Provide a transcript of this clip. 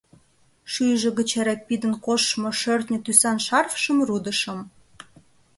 Шӱйжӧ гыч эре пидын коштмо шӧртньӧ тӱсан шарфшым рудышым.